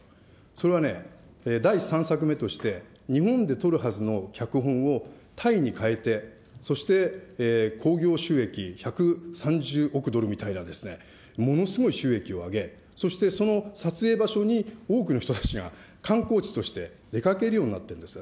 それはね、第３作目として、日本で撮るはずの脚本を、タイにかえて、そして興行収益１３０億ドルみたいなですね、ものすごい収益を上げ、そしてその撮影場所に、多くの人たちが観光地として出かけるようになってるんです。